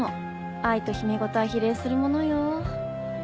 愛と秘め事は比例するものよ。